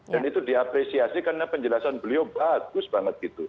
dan itu diapresiasi karena penjelasan beliau bagus banget gitu